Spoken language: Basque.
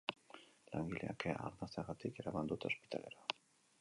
Langilea kea arnasteagatik eraman dute ospitalera.